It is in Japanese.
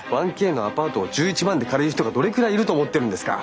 １Ｋのアパートを１１万で借りる人がどれくらいいると思ってるんですか？